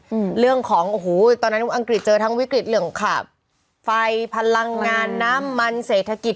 อืมเรื่องของโอ้โหตอนนั้นอังกฤษเจอทั้งวิกฤตเรื่องขับไฟพลังงานน้ำมันเศรษฐกิจ